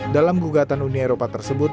dalam gugatan uni eropa tersebut